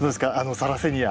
サラセニア。